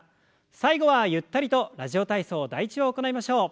最後はゆったりと「ラジオ体操第１」を行いましょう。